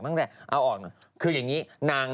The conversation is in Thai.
ถ้าอยากจะเอาออกหนึ่ง